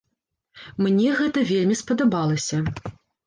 Мне гэта вельмі спадабалася.